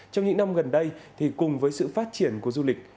trong những năm gần đây cùng với sự phát triển của du lịch